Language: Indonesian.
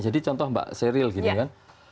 jadi contoh mbak seril gitu kan